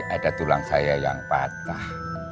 ada tulang saya yang patah